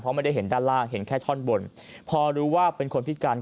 เพราะไม่ได้เห็นด้านล่างเห็นแค่ท่อนบนพอรู้ว่าเป็นคนพิการ